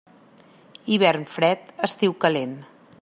Hivern fred, estiu calent.